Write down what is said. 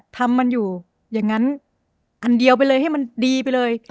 ทำมันอยู่อย่างนั้นอันเดียวไปเลยให้มันดีไปเลย